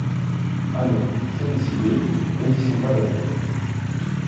Allons, c’est décidé, ne résistons pas davantage.